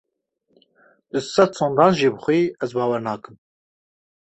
Tu sed sondan jî bixwî ez bawer nakim.